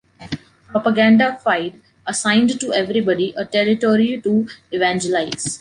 Propaganda Fide assigned to everybody a territory to evangelize.